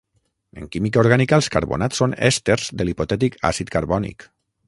En química orgànica els carbonats són èsters de l'hipotètic àcid carbònic.